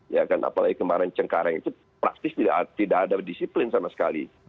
ya kan apalagi kemarin cengkareng itu praktis tidak ada disiplin sama sekali